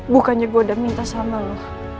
bukannya gue udah minta sama lo